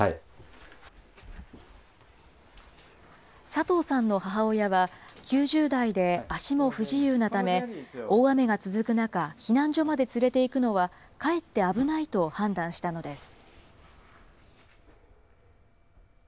佐藤さんの母親は、９０代で足も不自由なため、大雨が続く中、避難所まで連れていくのは、かえって危ないと判断したのです。